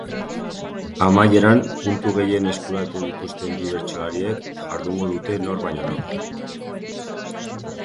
Amaieran, puntu gehien eskuratu dituzten bi bertsolariek jardungo dute nor baino nor.